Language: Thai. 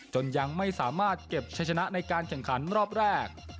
ยังไม่สามารถเก็บใช้ชนะในการแข่งขันรอบแรก